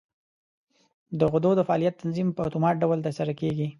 د غدو د فعالیت تنظیم په اتومات ډول تر سره کېږي.